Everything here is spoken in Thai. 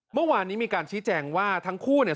เมื่อวานนี้มีการชี้แจงว่าทั้งคู่เนี่ย